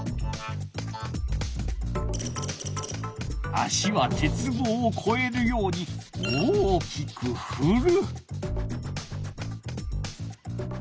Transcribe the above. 足は鉄棒をこえるように大きくふる。